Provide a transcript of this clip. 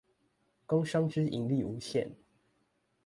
工商之盈利無限